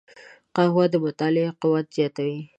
قهوه د مطالعې قوت زیاتوي